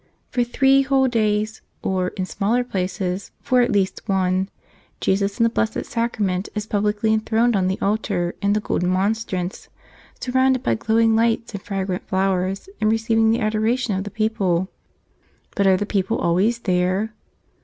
For three whole days, or, in smaller places, for at least one, Jesus in the Blessed Sacrament is publicly enthroned on the altar in the golden monstrance, surrounded by glowing lights and fragrant flowers and receiving the ador¬ ation of the people. But are the people always there?